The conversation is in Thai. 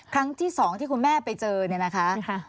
ครั้งที่๒ที่คุณแม่ไปเจอเนี่ยนะคะ